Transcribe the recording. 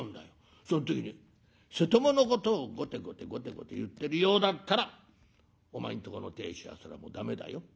その時に瀬戸物のことをごてごてごてごて言ってるようだったらお前んとこの亭主はそれはもう駄目だよ。